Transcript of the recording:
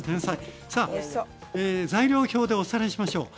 さあ材料表でおさらいしましょう。